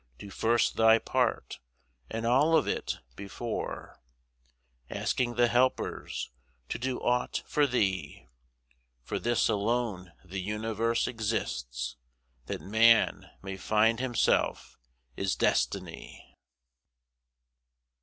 Do first thy part, and all of it, before Asking the helpers to do aught for thee. For this alone the Universe exists, That man may find himself is Destiny.